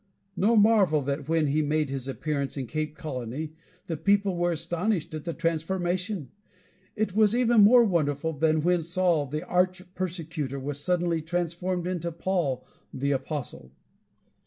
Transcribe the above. No marvel that when he made his appearance in Cape Colony, the people were astonished at the transformation! It was even more wonderful than when Saul, the arch persecutor, was suddenly transformed into Paul, the apostle.